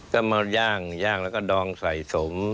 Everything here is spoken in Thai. ก็มาย่างย่างแล้วก็ดองใส่สม